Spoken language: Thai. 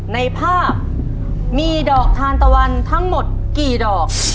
ในภาพมีดอกทานตะวันทั้งหมดกี่ดอก